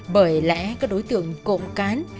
bởi lẽ các đối tượng cộng cán